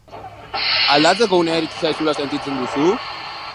Aldatzeko unea iritsi zaizula sentitzen duzu?